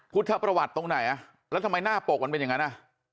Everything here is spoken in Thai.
พุทธประวัติตรงไหนอ่ะแล้วทำไมหน้าปกมันเป็นอย่างนั้นอ่ะ